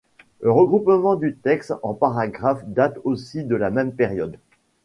Le regroupement du texte en paragraphes date aussi de la même période.